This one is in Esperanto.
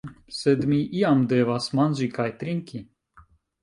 Sed mi iam devas manĝi kaj trinki.